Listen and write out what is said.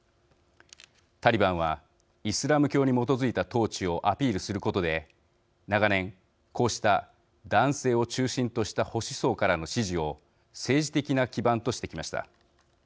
タリバンはイスラム教に基づいた統治をアピールすることで長年、こうした男性を中心とした保守層からの支持を政治的な基盤としてきました。